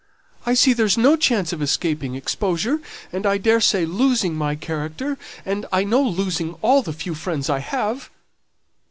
I see there's no chance of escaping exposure and, I daresay, losing my character, and I know losing all the few friends I have."